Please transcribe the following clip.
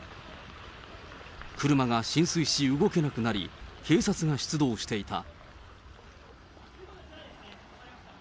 車が浸水し、動けなくなり、警察が出動していた。